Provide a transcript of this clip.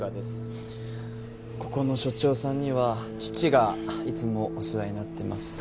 ここの署長さんには父がいつもお世話になってます。